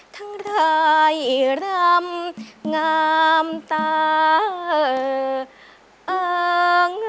ทางรายรำงามตาเอิง